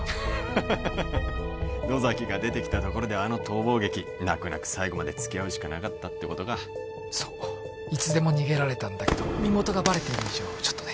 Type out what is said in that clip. ハハハハ野崎が出てきたところであの逃亡劇泣く泣く最後までつきあうしかなかったってことかそういつでも逃げられたんだけど身元がバレている以上ちょっとね